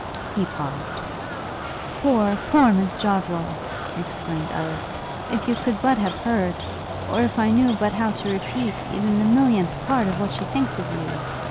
He paused. 'Poor, poor, Miss Joddrel!' exclaimed Ellis, 'If you could but have heard, or if I knew but how to repeat, even the millionenth part of what she thinks of you!